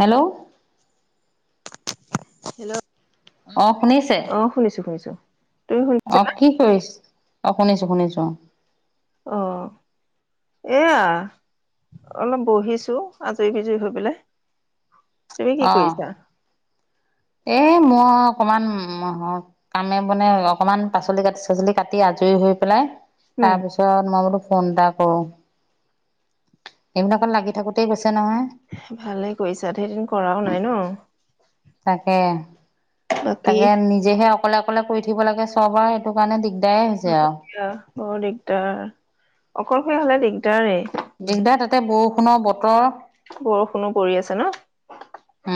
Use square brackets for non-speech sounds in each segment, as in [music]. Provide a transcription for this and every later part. Hello. Hello, ' আহ অ শুনিছে আহ শুনিছো শুনিছো। তুমি শুনি অ কি কৰিছ, অ শুনিছো শুনিছো অ। অ। এয়া, অলপ বহিছো আজৰি বিজৰি হৈ পেলাই। তুমি কি কৰিছা। এ মই অকমান মহ। [unintelligible] অকমান পাচলি কাটি চাচলি কাটি আজৰি হৈ পেলাই, উম তাৰ পিছত ত মই বোলো ফোন এটা কৰো, এইবিলাকত লাগি থাকোতেই গৈছে নহয়। ভালে কৰিছা সেইদিন কৰাও নাই ন। তাকে, বাকী তাকে নিজেহে অকলে অকলে কৰি থাকিব লাগে [unintelligible] সেইটো কাৰণে দিগদাৰে হৈছে হয় আৰু। দিয়া বৰ দিগদাৰ, অকলশৰীয়া হলে দিগদাৰেই। দিগদাৰ তাতে বৰষুণৰ বতৰ। বৰষুণো পৰি আছে ন।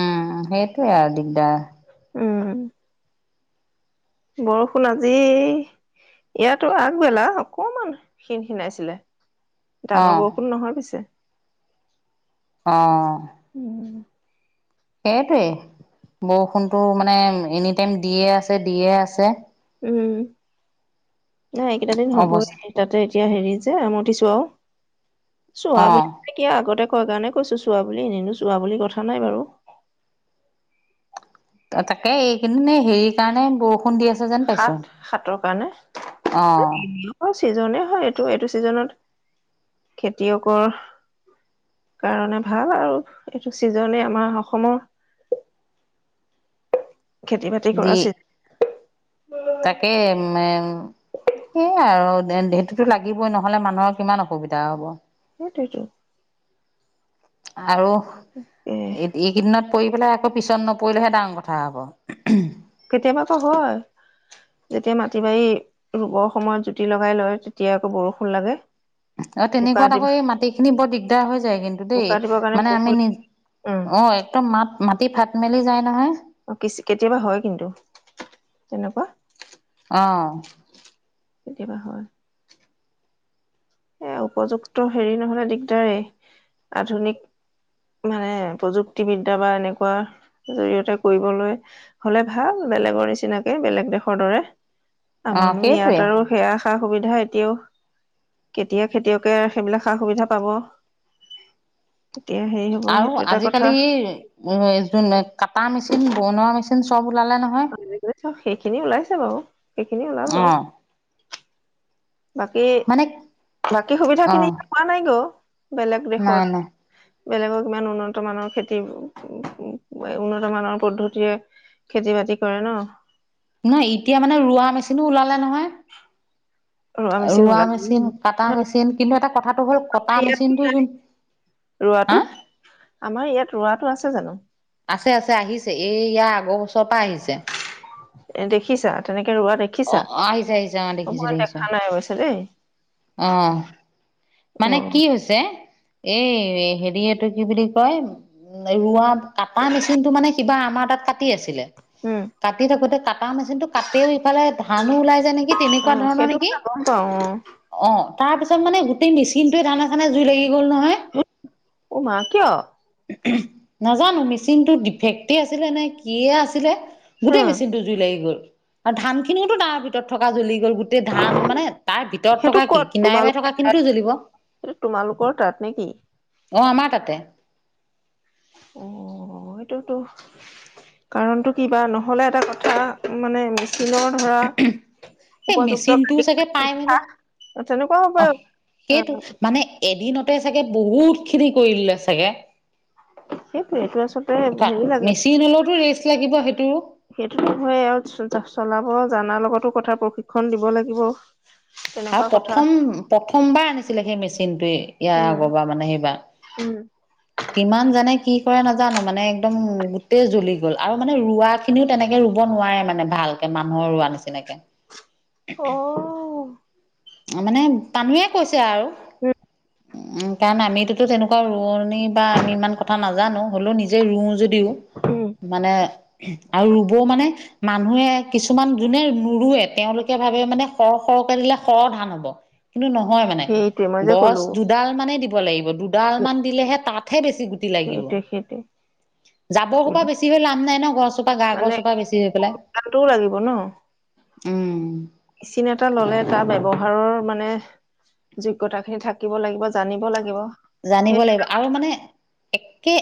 উম সেইটোৱে আৰু দিগদাৰ। উম। বৰষুণ আজি ইয়াতো আগবেলা অকমান ক্ষিন খিনাইছিলে। অ ডাঙৰ বৰষুণ নহয় পিছে। অ। উওম। সেইটোৱেই, বৰষুণতটো মানে এনি টাইম দিয়ে আছে দিয়ে আছে। উম, নাই অৱস্থা [unintelligible] তাতে এতিয়া হেৰি যে আমতিছো অ আৰু, [unintelligible] ক আগতে কোৱা কাৰণে কৈছো চোৱা বুলি এনিনো চোৱা বুলি কথা নাই বাৰু। [unintelligible] হেৰি কাৰণে বৰষুণ দি আছে যেন। পাইছো সাত, সাতৰ কাৰণে অ [inaudible] অ ছিজনে হয় এইটো এইটো ছিজনত, খেতিয়কৰ কাৰণে ভাল আৰু এইটো ছিজনেই আমাৰ অসমৰ খেতি বাতি কৰা দি, ছিজন [unintelligible] সেয়াই আৰু সেইটোতো লাগিবই নহলে মানুহৰ কিমান অসুবিধা হ'ব। সেইটোৱেটো। আৰু এ এইত এই- কিদিনত পৰি পেলাই আকৌ পিছত নপৰিলেহে ডাঙৰ কথা হ'ব। কেতিয়াবা আক হয়। যেতিয়া মাটি বাৰী ৰুবৰ সময়ত জুতি লগাই লয়, তেতিয়া আকৌ বৰষুণ লাগে। অ বোকা তেনেকুৱাত দিব আকৌ এই মাটি খিনি বৰ দিগদাৰ হৈ যায় কিন্তু দেই। মানে আমি নি- অঁ' অঁ একদম মাত মাটি ফাট মেলি যায় নহয়। অ কিচ কেতিয়াবা হয় কিন্তু, তেনেকুৱা। অঁ' কেতিয়াবা হয়। এ উপযুক্ত হেৰি নহলে দিগদাৰেই। আধুনিক- মানে প্ৰযুক্তিবিদ্যা বা এনেকুৱা জৰিয়তে কৰিবলৈ। হলে ভাল বেলেগৰ নিচিনাকে, বেলেগ দেশৰ দৰে। অ আমাৰনো সেইটোৱে ইয়াত আৰু সেইয়া সা সুবিধা এতিয়াও- কেতিয়া খেতিয়কে সেইবিলাক সা সুবিধা পাব? কেতিয়া হেৰি হব সেইটো এটা কথা। উঅ এ যোন অত কটা মেচিন বনোৱা মেচিন চব ওলালে ন। সেইখিনি ওলাইছে বাৰু, সেইখিনি ওলাব। অ বাকী, মানে বাকী অ সুবিধাখিনি পোৱা নাই গ' বেলেগ নাই দেশত। নাই বেলেগ কিমান উন্নত মানৰ খেতি উ উ উ উন্নত মানৰ পদ্ধতিৰে- খেতি বাতি কৰে ন। নহয় এতিয়া মানে ৰোৱা মেচিনো ওলালে নহয়, মেচিন ৰোৱা ওলাই মেচিন কাত- টা মেচিন কিন্তু, এটা কথাটো হ'ল কটা ইয়াত মেচিনটো যোন- ৰোৱাটো, হা আমাৰ ইয়াত ৰোৱাটো আছে জানো? আছে আছে আহিছে এই ইয়াৰ আগৰ বছৰৰ পা আহিছে। এ দেখিছা? তেনেকে ৰোৱা দেখ- অ খিছা? আহিছে আহিছে অ' মই দেখা নাই অৱশ্যে দেই। অঁ' অ মানে কি হৈছে? এই হেৰি এইটো কি বুলি কয়? উম' ৰোৱা কাটা মেচিন টো মানে সিবা আমাৰ তাত কাটি আছিলে। উম' কাটি থাকোতে কাটা মেচিন টো কাটেও ইফালে ধানো ওলাই যায় নেকি! অঁ' সেইটো গম পাওঁ অঁ'। অঁ তাৰ পিছত মানে গোট- টেই মেচিনটোৱে ধানে চানে জুই লাগি গ'ল নহয়। অ মা কিয় নাজানো মেচিনটো ডিফেক্টেই আছিলে নে কিয়েই আছিলে? গোটেই উম মেচিনটো- জুই লাগি গ'ল, আৰু ধান খিনিওতো তাৰ ভিতৰত থকা জ্বলি গ'ল গোট- টেই ধান মানে তাৰ ভিতৰত সেইটো থকা কি ক'ত কিনাৰে বাই তোমালোকে থকা- খিনিতো তাত, জ্বলিব অ সেইটো তোমালোকৰ তাত নে কি? অঁ আমাৰ তাতে। অ অ, সেইটোতো- কাৰণটো কিবা? নহলে এটা কথা মানে- চিনৰ ধৰা, এই উপযুক্ত মেচিনটোও চাগে পাই মেলি [unintelligible] অঁ তেনেকুৱাও হ'ব অ পাৰে। অ সেইটো মানে এদিনতে চাগে বহুত খিনি কৰিলে চাগে। সেইটোৱে এইটো আচলতে কা হেৰি লাগে মেচিন হ'লেওতো ৰেষ্ট লাগিব সেইটো। সেইটোতো হয়ে আৰু চলাব জানাৰ লগতো কথা প্ৰশিক্ষণ দিব লাগিব। আৰু তেনেকুৱা কথা প্ৰথম প্ৰথমবাৰ আনিছিলে সেই মেচিনটোৱে ইয়াৰ উম। আগৰবাৰ মানে সেইবাৰ। উম। কিমান জানে কি কৰে নাজানো মানে একদম গোটেই জ্বলি গ'ল আৰু মানে ৰোৱা খিনিও তেনেকে ৰুব নোৱাৰে মানে ভালকে মানুহৰ ৰোৱা নিচিনাকে। অ মানে তামিয়ে কৈছে আৰু উম। উম কাৰণ আমিতোতো তেনেকুৱা ৰোৱনী বা আমি ইমান কথা নাজানোঁ, হ'লেও নিজে ৰোও যদি ও মানে আৰু ৰুব‌ওঁ মানে মানুহে কিছুমান যোনে নৰুৱে তেওঁলোকে ভাবে মানে সৰ সৰ দিলে সৰ ধান হ'ব, কিন্তু নহয় মানে সেইটোৱে মই যে গছ ক'লো দুডাল দিব লাগিব, দুডালমান দিলেহে তাতহে বছি গ সেইটোৱে সেইটোৱে। জাবৰ সোপা বেছি হৈ লাপ নাই ন, গছজপা গা গছজপা বেছি হৈ পেলাই। টো লাগিব ন। উম। মেচিন এটা ললে তাৰ ব্যৱহাৰৰ মানে যোগ্যতা খিনি থাকিব লাগিব, জানিব লাগিব। জানিব সেইটো লাগিব আৰু মানে একে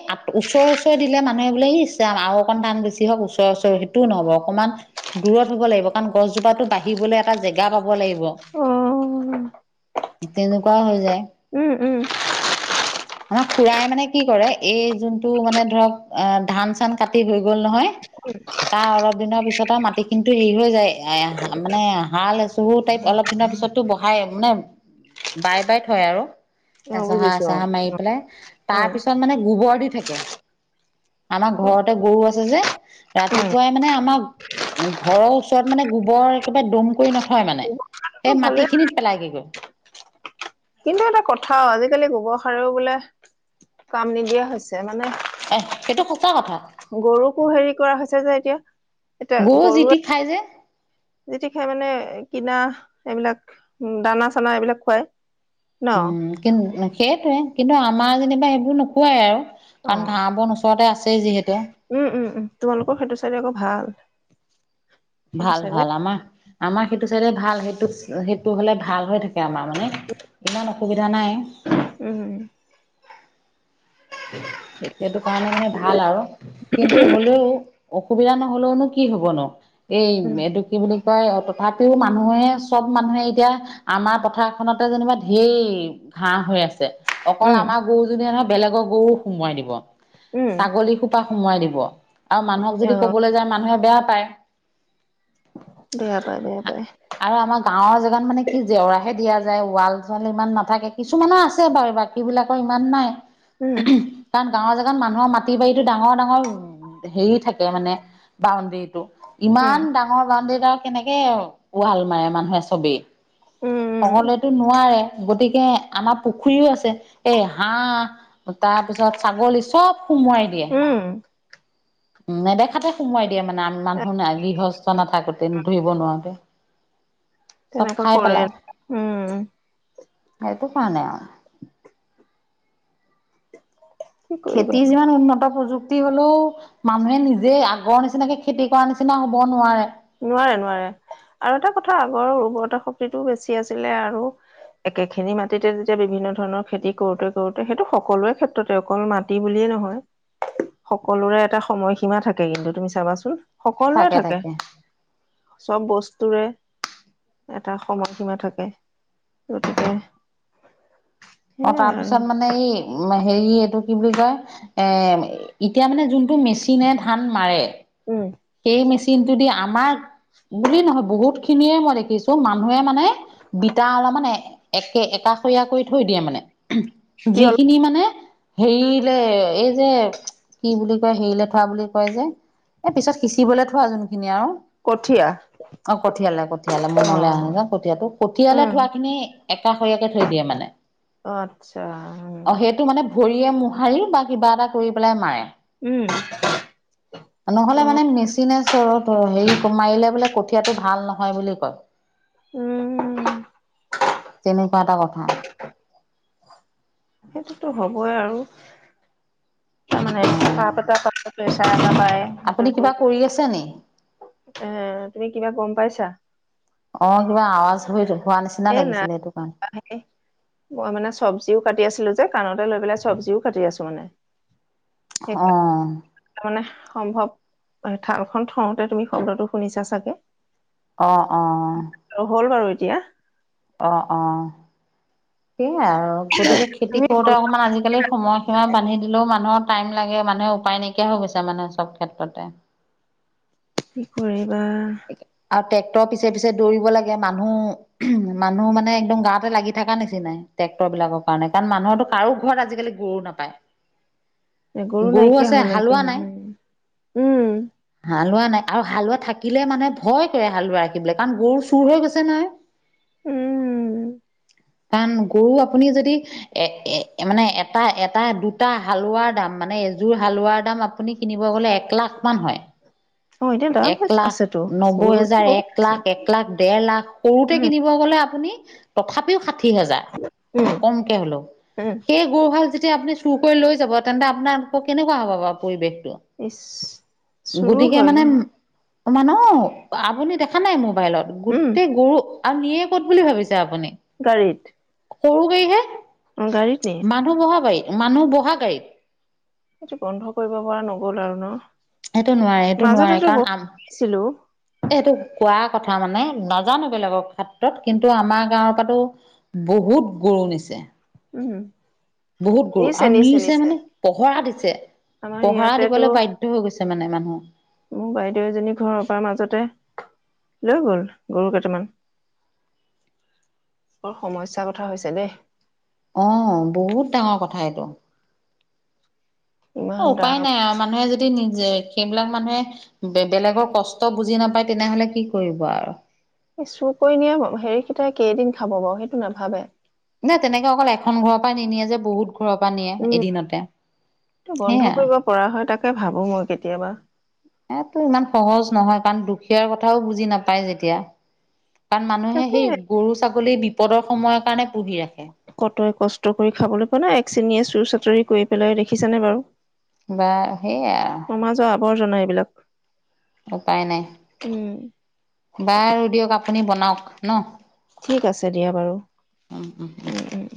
ওচৰৰে ওচৰে দিলে মানুহে বোলে ই আৰু অকণমানান বেছি হওঁক ওচৰেৰ ওচৰেৰ সিটো নহ'ব, অকণমান দূৰত হ'ব লাগিব কাৰণ গছজোপা বাঢ়িবলৈ এটা জেগা পাব লাগিব, উম তেনেকুৱা হৈ যায়। উম উম। আমাৰ খুৰাই মানে কি কৰে, এই যোনটো মানে ধৰক অ ধান চান কাটি হৈ গ'ল নহয় তাৰ অলপ দিনৰ পিছতে মাটি খিনি হেৰি হৈ যায় এ মানে হাল চৰু টাইপ অলপ দিনৰ পিছততো বহাই মানে বাই বাই থয় আৰু। অ' এচাহা বুজিছো অ' এচাহা মাৰি পেলাই, তাৰ উম পিছত মানে গোবৰ দি থাকে। আমাৰ ঘৰতে গৰু আছে যে উম। ৰাতিপুৱাই মানে আমাৰ উ ঘৰৰ ওচৰত মানে গোবৰ একেবাৰে দম কৰি নথয় মানে, গোবৰ সাৰটো সেই ভালে মাটি খিনিত পেলাইগে গৈ। কিন্তু এটা কথা আজিকালি গোবৰ সাৰেও বোলে কাম নিদিয়া হৈছে, মানে এ সেইটো সঁচা কথা গৰুকো হেৰি কৰা হৈছে যে এতিয়া, এতিয়া যি গৰু টি খাই যে যি তি খাই মানে কিনা এইবিলাক দানা-চানা এইবিলাক খুৱাই। ন উম কিন্তু সেইটোৱে, কিন্তু আমাৰ যেনিবা সেইবোৰ নোখুৱাই আৰু। অ কাৰণ ঘা-বন ওচৰতে আছে যিহেতু। উম উম উম তোমালোকৰ সেইটো চাইডে আকৌ ভাল। সেইটো ভাল চাইডে ভাল আমাৰ আমাৰ সেইটো চাইডে ভাল সেইটো সেইটো হ'লে ভাল হৈ থাকে আমাৰ মানে। ইমান অসুবিধা নাই। উম। এইটো কাৰণে মানে ভাল আৰু কিন্তু হ'লেও অসুবিধা নহ'লেওঁনো কি হব ন, এই উম এইটো কি বুলি কয় তথাপিও মানুহে চব মানুহে এতিয়া আমাৰ পথাৰখনতে যেনিবা ধেই ঘাঁহ হৈ আছে। অকল উম আমাৰ গৰুজনীয়ে নহয় বেলেগৰ গৰুও সোমোৱাই দিব উম ছাগলী খু- পা সোমোৱাই দিব। আৰু মানুহক অ যদি কবলৈ যায় মানুহে বেয়া পায়। বেয়া পায় বেয়া পায়। আৰু আমাৰ গাঁৱৰ জেগাত মানে কি জেওৰাহে দিয়া যায় ৱাল চোৱাল ইমান নাথাকে কিছুমানৰ আছে বাৰু এইবাৰ। বাকী বিলাকৰ ইমান নাই। উম কাৰণ গাঁৱৰ জেগাত মানুহৰ মাটি বাৰীতো ডাঙৰ ডাঙৰ- হেৰি থাকে মানে বাউণ্ডৰীটো। উম ইমান ডা- ঙৰ বাউনদাৰিডাল কেনেকে ৱাল মাৰে মানুহে চবেই। উম সকলোৱেতো নোৱাৰে। গতিকে আমাৰ পুখুৰীও আছে। এই হাঁহ তাৰপিছত ছাগলী চব- সোমোৱাই উম উম নেদেখাতে সোমোৱাই দিয়ে মানে আ মানুহ গৃহস্থ নাথাকোঁতে ধৰিব নোৱাৰোতে। চব তেনেকুৱা খাই কৰে পেলাই উম সেইটো কাৰণে আৰু। কি কৰিবা খেতিৰ যিমান উন্নত প্ৰযুক- তি হলেও মানুহে নিজে আগৰ নিচিনাকে খেতি কৰা নিচিনা হ'ব নোৱাৰে। নোৱাৰে নোৱাৰে আৰু এটা কথা আগৰ উৰ্বৰতা শক্তিটোও বেছি আছিলে আৰু- একেখিনি মাটিতে যেতিয়া বিভিন্ন ধৰণৰ খেতি কৰোঁতে কৰোঁতে সেইটো সকলোৰে ক্ষেত্ৰতে অকল মাটি বুলিয়ে নহয়। [unintelligible] সকলোৰে এটা সময় সীমা থাকে কিন্তু তুমি চাবাচোন সকলোৰে থাকে। চব বস্তুৰে- এটা সময়সীমা থাকে। গতিকে- এ তাৰ সেইয়াই আৰু পিছত মানে এই- হেৰি এইটো কি বুলি কয়? এ এতিয়া মানে যোনটো মেচিনে ধান মাৰে- উম সেই মেচিনটো দি আমাৰ বুলি নহয় বহুত খিনিয়ে মই দেখি- চো মানুহে মানে বিটা অলপ মানে একে একাষৰীয়া কৰি থৈ দিয়ে মানে। কি অলপ যিখিনি মানে- হেৰিলে এই যে কি বুলি কয় হেৰিলে থোৱা বুলি কয় যে? এই পিছত- সিচিবলৈ থোৱা যোনখিনি আৰু। কঠীয়া অ কঠিয়ালে কঠিয়ালে অ মনলৈ আহা নাই যে কঠিয়াটো কঠিয়ালে উম থোৱা খিনি- একাষৰীয়াকে থৈ দিয়ে মানে। অ আচ্ছা। অ সেইটো মানে ভৰিয়ে মোহাৰি বা কিবা এটা কৰি পেলাই মাৰে। উম নহ'লে অ মানে মেচিনে চ হেৰি মাৰিলে বোলে কঠী- য়াটো ভাল নহয় বুলি কয়। উম। তেনেকুৱা এটা কথা। [inaudible] সেইটোতো হ'বই আৰু। তাৰমানে অ চাহ পতা পিছতে না পায় আপুনি সেইটোতো। কিবা কৰি আছে নি এ তুমি কিবা গম পাইছা? অ কিবা আৱাজ হৈ হোৱা নিচিনা লাগিছিলে সেইটো কাৰণে। এ মই মানে চব্জিও কাটি আছিলোঁ যে কাণতে লৈ পেলাই চব্জিও কাটি আছোঁ মানে। অ তাৰ মানে সম্ভৱ থালখন থওঁতে তুমি শব্দটো শুনিছা চাগে। অ অ আৰু হ'ল বাৰু এতিয়া অ অ সেইয়াই আৰু গতিকে খেতি তুমি কৰোঁতে বনোৱা অকমান আজিকালি সময় সীমা বান্ধি দিলেও মানুহৰ টাইম লাগে মানুহৰ উপায় নাইকিয়া হৈ গৈছে মানে চব ক্ষেত্ৰতে। [inaudible] কি কৰিবা। আও ট্ৰেক্টৰ পিছে পিছে দৌৰিব লাগে মানুহ উ মানুহ মানে একদম গাতে লাগি থকা নিচ নিচিনাই নাই ট্ৰেক্টৰ বিলাকৰ কাৰণে মানুহৰ তো কাৰো ঘৰত আজিকালি গৰু নাপায়। গৰু নাইকিয়া আছে হ'ল নাইকিয়া হালোৱা নাই হ'ল উম হালোৱা নাই আৰু হালোৱা থাকিলে মানে ভয় কৰে হালোৱা ৰাখিবলে কাৰণ গৰু চুৰ হৈ গৈছে নহয়। উম কাৰণ গৰু আপুনি যদি এ এ মানে এটা এটা দুটা হালোৱাৰ দাম মানে এযোৰ হালোৱাৰ দাম আপুনি কিনিব গ'লে এক লাখমান হয়। অ এতিয়া দাম এক লাখ আছেতো নব্বৈ গৰু দাম হাজাৰ বহুত এক আছে লাখ এক এক লাখ দেৰ লাখ সৰুতে উম কিনিব গলে আপুনি তথাপিও সাত ষাঠি হাজাৰ উম কমকে হলেও উম সেই গৰু হাল যেতিয়া আপুনি চুৰ কৰি লৈ যাব তেন্তে আপোনাৰ আকৌ কেনেকুৱা হ'ব বাও পৰিৱেশ ইচ চুৰো গতিকে হয় মানে নহয় মানুহ আপুনি দেখা নাই মোবাইলত উম গোটেই গৰু আৰু নিয়ে ক'ত বুলি ভাবিছে আপুনি গাড়ীত সৰু গাড়ী হে অ গাড়ীত নিয়ে মানুহ বহা গাড়ী মানুহ বহা গাড়ীত এইটো বন্ধ কৰিব পৰা নগ'ল আৰু ন এইটো নোৱাৰে এইটো নোৱাৰে মাজতেতো কাৰণ বহুত আম নিছিলো এইটো কোৱা কথা মানে নাজানো বেলেগৰ ক্ষেত্ৰত কিন্তু আমাৰ গাঁৱৰ পৰাটো বহুত গৰু নিছে উম বহুত গৰু নিছে আৰু নিছে নিচে নিছে মানে পহৰা দিছে আমাৰ পহৰা ইয়াতেতো দিবলৈ বাধ্য হৈ গৈছে মানে মানুহ মোৰ বাইদেউ এজনী ঘৰৰ পৰা মাজতে লৈ গ'ল গৰু কেইটামান বৰ সমস্যাৰ কথা হৈছে দেই অ বহুত ডাঙৰ কথা এইটো অ ইমান উপায় দাম নাই আও মানুহে যদি যদি নিজে সেইবিলাক মানুহে বেলেগৰ কষ্ট বুজি নাপায় তেনেহ'লে কি কৰিব আৰু এই চুৰ কৰি নিয়া হেৰি কেইটাই কেইদিন খাব বাৰু সেইটো নাভাবে নাই তেনেকে অকল এখন ঘৰৰ পৰাই নিনিয়ে যে বহুত ঘৰৰ পৰা নিয়ে এদিনতে সেইয়াই কৰা হয় তাকে ভাবো মই কেতিয়াবা এইটো ইমান সহজ নহয় কাৰণ দুখীয়াৰ কথাও বুজি নাপায় যেতিয়া কাৰণ মানুহে তাকে সেই গৰু ছাগলী বিপদৰ সময়ৰ কাৰণে পুহি ৰাখে কটৰে কষ্ট কৰি খাবলৈ পোৱা নাই এক শ্ৰেণীয়ে চুৰ চাটৰি কৰি পেলাই দেখিছে নে বাৰু বা সেইয়াই আও সমাজৰ আৱৰ্জনা এইবিলাক। উপায় নাই, উম বাৰু দিয়ক আপুনি বনাওঁক ন! ঠিক আছে দিয়া বাৰু, উম উম।